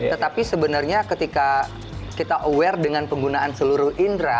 tetapi sebenarnya ketika kita aware dengan penggunaan seluruh indera